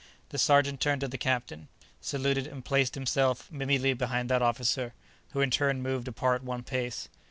The sergeant turned to the captain, saluted and placed himself immediately behind that officer, who in turn moved apart one pace.